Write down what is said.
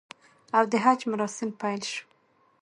او د حج مراسم پیل شو